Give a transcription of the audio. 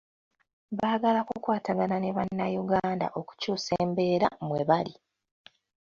Baagala kukwatagana ne bannayuganda okukyusa embeera mwe bali.